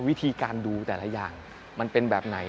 วิธีการดูแต่ละอย่างมันเป็นแบบไหน